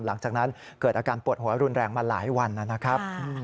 หลังจากนั้นเกิดอาการปวดหัวรุนแรงมาหลายวันนะครับ